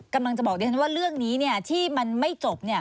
กำลังจะบอกดิฉันว่าเรื่องนี้ที่มันไม่จบ